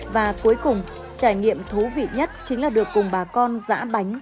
và cuối cùng trải nghiệm thú vị nhất chính là được cùng bà con giã bánh